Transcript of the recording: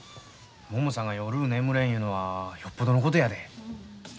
ももさんが夜眠れんいうのはよっぽどのことやで。